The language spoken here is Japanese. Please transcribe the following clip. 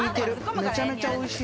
めちゃめちゃおいしい。